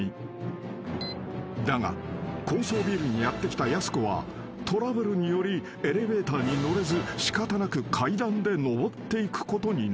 ［だが高層ビルにやって来たやす子はトラブルによりエレベーターに乗れず仕方なく階段で上っていくことになる］